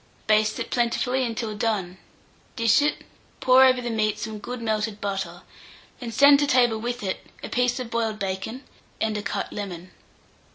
Baste it plentifully until done; dish it, pour over the meat some good melted butter, and send to table with it a piece of boiled bacon and a cut lemon.